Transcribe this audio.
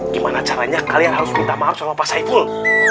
gimana caranya kalian harus minta maaf sama pak saiful